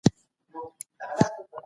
آيا دودونه د فرد ساتنه کوي؟